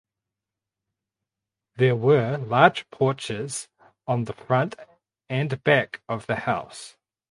There were large porches on the front and back of the house.